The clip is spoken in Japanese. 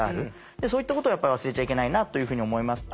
そういったことを忘れちゃいけないなというふうに思います。